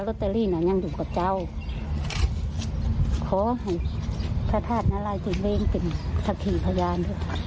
ล็อตเตอรี่น่ะยังอยู่กับเจ้าโอ้โหพระธาตุนารายจีนเวียงเป็นสักทีพยาน